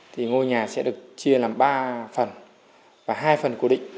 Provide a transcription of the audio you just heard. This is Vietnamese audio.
thì ngôi nhà sẽ được chia làm ba phần và hai phần cố định